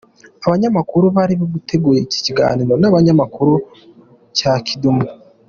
Abanyamakuru bari biteguye iki kiganiro n'abanyamakuru cya Kidum.